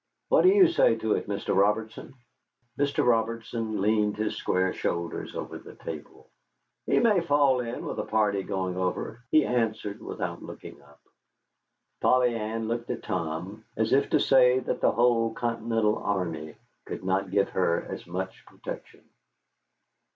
What do you say to it, Mr. Robertson?" Mr. Robertson leaned his square shoulders over the table. "He may fall in with a party going over," he answered, without looking up. Polly Ann looked at Tom as if to say that the whole Continental Army could not give her as much protection.